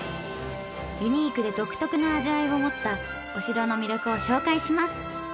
ユニークで独特の味わいを持ったお城の魅力を紹介します。